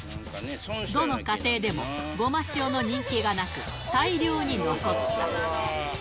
どの家庭でも、ごましおの人気がなく、大量に残った。